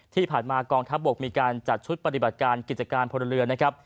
ที่ผ่านมากองทัพบกมีการจัดชุดปฏิบัติการกิจการพลเรือนนะครับ